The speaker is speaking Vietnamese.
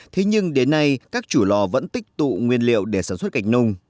thế nhưng đến nay các chủ lò vẫn tích tụ nguyên liệu để sản xuất cạch nông